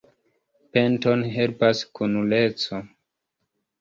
Penton helpas kunuleco.